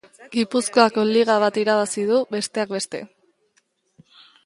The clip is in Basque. Gipuzkoako Liga bat irabazi du besteak beste.